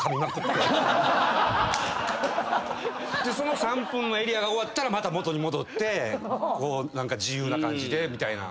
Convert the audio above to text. でその３分のエリアが終わったらまた元に戻ってこう自由な感じでみたいな。